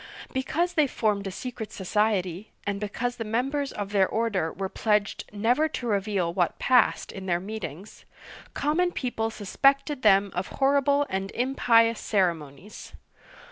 '* Because they formed a secret society, and because the members of their order were pledged never to reveal what passed in their meetings, common people suspected them of horrible and impious ceremonies.